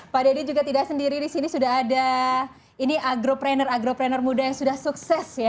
pak deddy juga tidak sendiri di sini sudah ada ini agropreneur agropreneur muda yang sudah sukses ya